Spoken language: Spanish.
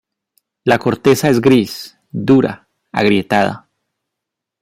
La corteza es gris, dura, agrietada.